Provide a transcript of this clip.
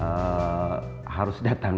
dari hati biar berkembang